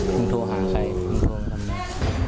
โทรหาใครมึงโทรมาทำไม